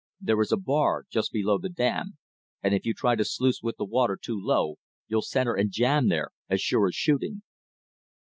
There is a bar just below the dam, and if you try to sluice with the water too low, you'll center and jam there, as sure as shooting."